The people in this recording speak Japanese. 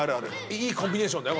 いいコンビネーションだよ